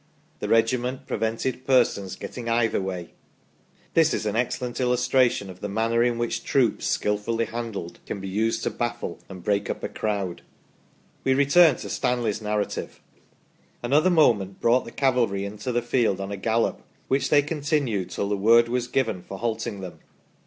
The regiment prevented persons getting either way ". This is an excellent illustra tion of the manner in which troops skilfully handled can be used to baffle and break up a crowd. We return to Stanley's narrative :" Another moment brought the cavalry into the field on a gallop, which they continued till the word was given for halting them.